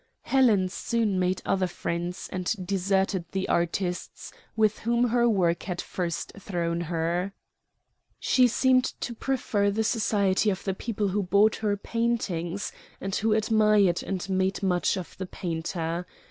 Helen soon made other friends, and deserted the artists, with whom her work had first thrown her. She seemed to prefer the society of the people who bought her paintings, and who admired and made much of the painter.